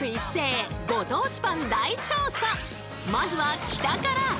まずは北から！